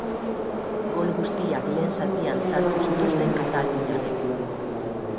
Gol guztiak lehen zatian sartu zituzten kataluniarrek.